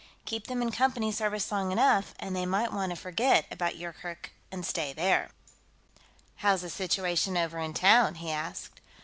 Keep them in Company service long enough, and they might want to forget about Yoorkerk and stay there. "How's the situation over in town?" he asked.